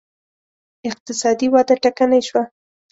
اقتصادي وده ټکنۍ شوه